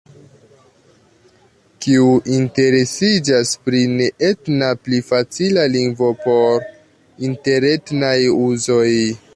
Kiu interesiĝas pri neetna pli facila lingvo por interetnaj uzoj?